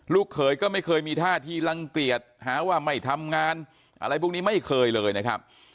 เขยก็ไม่เคยมีท่าทีรังเกลียดหาว่าไม่ทำงานอะไรพวกนี้ไม่เคยเลยนะครับ